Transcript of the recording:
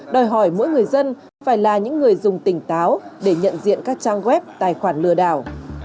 đòi hỏi mỗi người dân phải là những người dùng tỉnh táo để nhận diện các trang web tài khoản lừa đảo